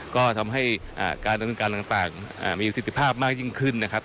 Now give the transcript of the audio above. ก็ทำให้การดำเนินการต่างมีประสิทธิภาพมากยิ่งขึ้นนะครับ